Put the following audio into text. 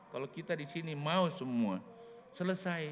kalau kita di sini mau semua selesai